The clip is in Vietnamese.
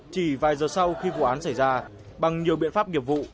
chỉ vài giờ sau khi vụ án xảy ra bằng nhiều biện pháp nghiệp vụ